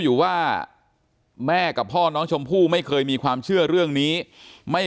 อยู่ว่าแม่กับพ่อน้องชมพู่ไม่เคยมีความเชื่อเรื่องนี้ไม่